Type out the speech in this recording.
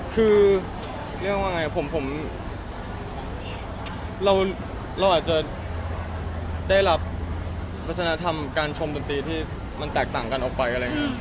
คือเรียกว่าไงผมเราอาจจะได้รับวัฒนธรรมการชมดนตรีที่มันแตกต่างกันออกไปอะไรอย่างนี้